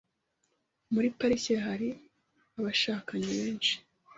Muri parike hari abashakanye benshi .